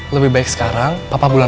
lebih baik sekarang papa bulan bulan